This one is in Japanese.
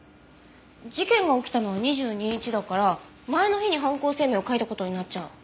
事件が起きたのは２２日だから前の日に犯行声明を書いた事になっちゃう。